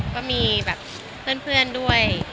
ก็มีแบบเพื่อนด้วย